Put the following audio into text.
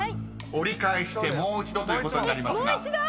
［折り返してもう一度ということになりますが］